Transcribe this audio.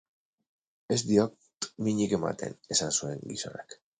Ez diot minik ematen, esan zuen gizonak.